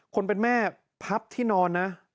คนเป็นแม่พับที่นอนนะ